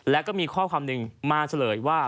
แล้วก็มีข้อความหนึ่งมาเฉลยว่า